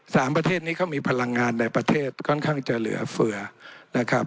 ประเทศนี้เขามีพลังงานในประเทศค่อนข้างจะเหลือเฟือนะครับ